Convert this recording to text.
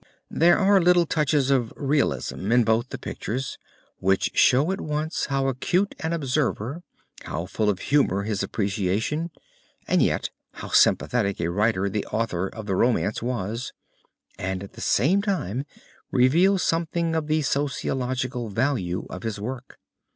There are little touches of realism in both the pictures, which show at once how acute an observer, how full of humor his appreciation, and yet how sympathetic a writer the author of the Romance was, and at the same time reveal something of the sociological value of his work.